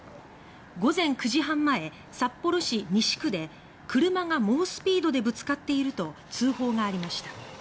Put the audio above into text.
午前９時半前札幌市西区で「車が猛スピードでぶつかっている」と通報がありました。